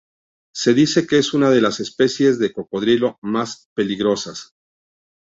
Se dice que es una de las especies de cocodrilo más peligrosas.